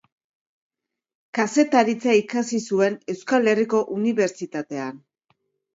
Kazetaritza ikasi zuen Euskal Herriko Unibertsitatean.